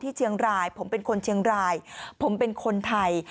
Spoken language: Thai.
เชียงรายผมเป็นคนเชียงรายผมเป็นคนไทย